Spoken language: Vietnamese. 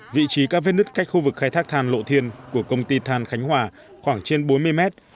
vị trí các vết nứt cách khu vực khai thác than lộ thiên của công ty than khánh hòa khoảng trên bốn mươi mét